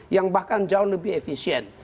yang bahkan jauh lebih efisien